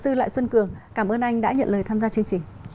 thưa luật sư lại xuân cường cảm ơn anh đã nhận lời tham gia chương trình